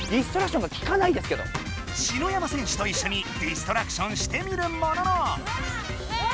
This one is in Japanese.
篠山選手といっしょにディストラクションしてみるものの。